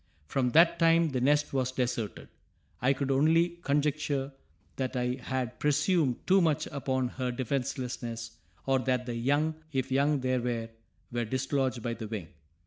From that time the nest was deserted; I could only conjecture that I had presumed too much upon her defenselessness, or, that the young, if young there were, were dislodged by the wind.